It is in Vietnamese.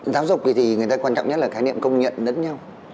giáo dục thì người ta quan trọng nhất là khái niệm công nhận lẫn nhau